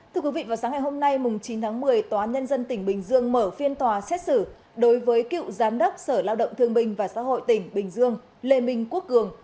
thưa quý vị vào sáng ngày hôm nay chín tháng một mươi tòa án nhân dân tỉnh bình dương mở phiên tòa xét xử đối với cựu giám đốc sở lao động thương bình và xã hội tỉnh bình dương lê minh quốc cường